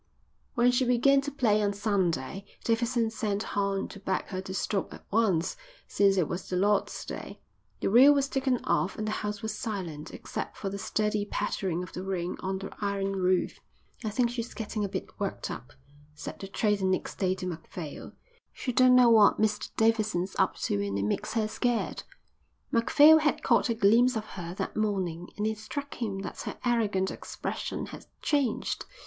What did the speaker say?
When she began to play on Sunday Davidson sent Horn to beg her to stop at once since it was the Lord's day. The reel was taken off and the house was silent except for the steady pattering of the rain on the iron roof. "I think she's getting a bit worked up," said the trader next day to Macphail. "She don't know what Mr Davidson's up to and it makes her scared." Macphail had caught a glimpse of her that morning and it struck him that her arrogant expression had changed.